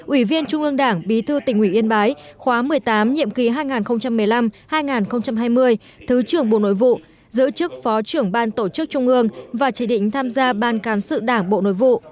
ủy viên trung ương đảng bí thư tỉnh ủy yên bái khóa một mươi tám nhiệm kỳ hai nghìn một mươi năm hai nghìn hai mươi thứ trưởng bộ nội vụ giữ chức phó trưởng ban tổ chức trung ương và chỉ định tham gia ban cán sự đảng bộ nội vụ